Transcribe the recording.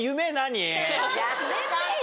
やめてよ。